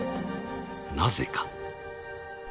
［なぜか？］